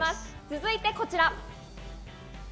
続いてこちら。